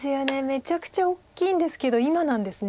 めちゃくちゃ大きいんですけど今なんですね。